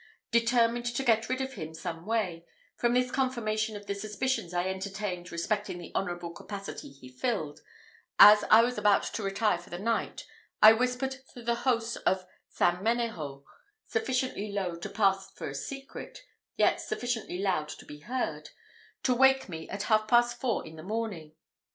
Determined to get rid of him some way, from this confirmation of the suspicions I entertained respecting the honourable capacity he filled, as I was about to retire for the night, I whispered to the host of St. Ménéhould, sufficiently low to pass for a secret, yet sufficiently loud to be heard, to wake me at half past four the next morning.